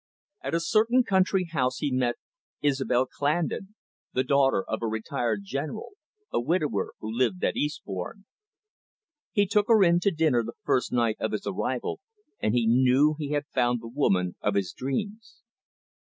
At a certain country house he met Isobel Clandon, the daughter of a retired general, a widower who lived at Eastbourne. He took her in to dinner the first night of his arrival, and he knew he had found the woman of his dreams.